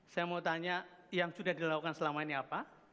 saya mau tanya yang sudah dilakukan selama ini apa